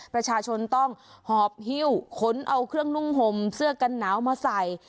ประชาชนต้องหอบฮิ้วขนเอาเครื่องนุ่งห่มเสื้อกันหนาวมาใส่